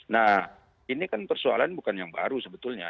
nah ini kan persoalan bukan yang baru sebetulnya